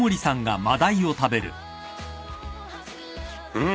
うん！